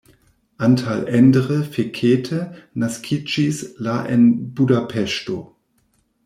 Antal Endre Fekete naskiĝis la en Budapeŝto.